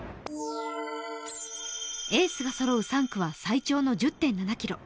エースがそろう３区は最長の１０．７ｋｍ。